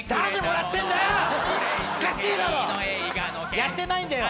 やってないんだよ。